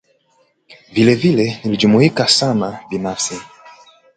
Vile vile, nilihujumika sana binafsi